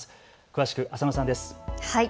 詳しく浅野さんです。